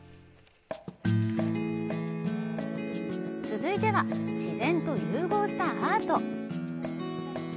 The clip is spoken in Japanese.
続いては、自然と融合したアート。